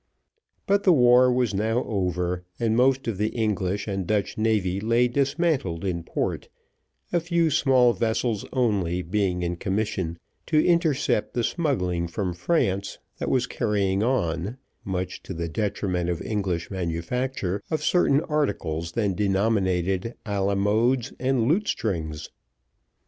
But the war was now over, and most of the English and Dutch navy lay dismantled in port, a few small vessels only being in commission to intercept the smuggling from France that was carrying on, much to the detriment of English manufacture, of certain articles then denominated alamodes and lutestrings.